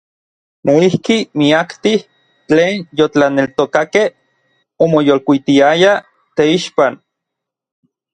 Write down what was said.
Noijki miaktij tlen yotlaneltokakej omoyolkuitiayaj teixpan.